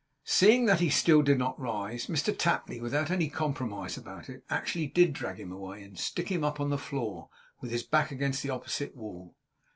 Seeing that he still did not rise, Mr Tapley, without any compromise about it, actually did drag him away, and stick him up on the floor, with his back against the opposite wall.